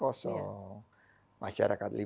ya ada yang berpikir pikir